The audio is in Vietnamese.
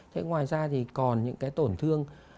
thế ngoài ra thì còn những cái tổn thương